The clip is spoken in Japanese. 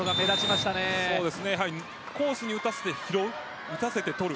コースに打たせて拾う打たせて取る。